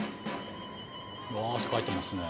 あ汗かいてますね。